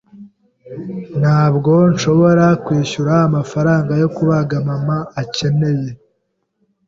Ntabwo nshobora kwishyura amafaranga yo kubaga mama akeneye.